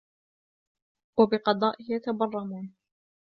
وَبِقَضَائِهِ يَتَبَرَّمُونَ